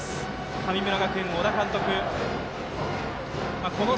神村学園、小田監督。